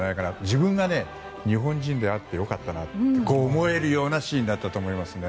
自分が日本人であって良かったなって思えるようなシーンだったと思いますね。